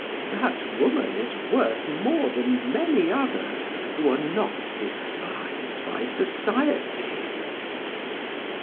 That woman is worth more than many others who are not despised by society.